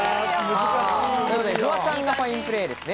フワちゃんがファインプレーですね。